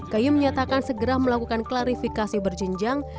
kaye menyatakan segera melakukan klarifikasi berjenjang